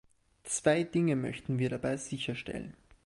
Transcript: Zwei Dinge möchten wir dabei sicherstellen.